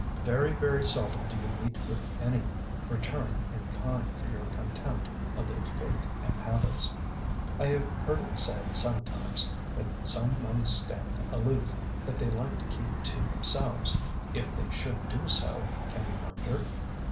Very, very seldom do you meet with any return in kind for your contempt of their faith and habits. I have heard it said sometimes that some monks stand aloof, that they like to keep to themselves. If they should do so, can you wonder?